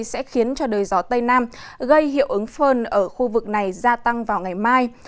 sẽ khiến cho đời gió tây nam gây hiệu ứng phơn ở khu vực này gia tăng vào ngày mai